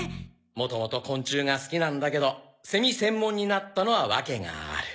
もともと昆虫が好きなんだけどセミ専門になったのは訳がある。